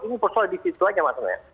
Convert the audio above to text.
ini persoal di situ saja maksudnya